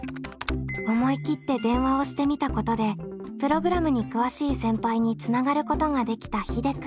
思い切って電話をしてみたことでプログラムに詳しい先輩につながることができたひでくん。